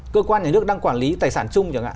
cơ quan nhà nước đang quản lý tài sản chung